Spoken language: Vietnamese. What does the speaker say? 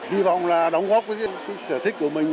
hy vọng là đóng góp với sở thích của mình